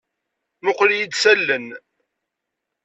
Mmuqqel-iyi-d s allen.